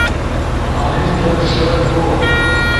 آنیس در سیات بو